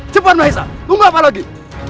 cepat maes tunggu apa lagi